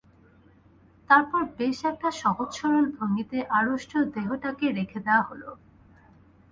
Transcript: তারপর বেশ একটা সহজ-সরল ভঙ্গিতে আড়ষ্ট দেহটাকে রেখে দেয়া হল।